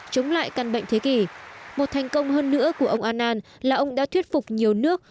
chống lại căn bệnh thế kỷ một thành công hơn nữa của ông annan là ông đã thuyết phục nhiều nước